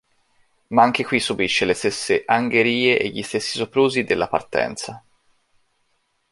Ma anche qui subisce le stesse angherie e gli stessi soprusi della partenza.